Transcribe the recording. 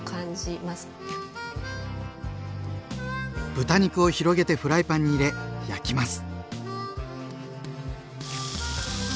豚肉を広げてフライパンに入れ焼きます。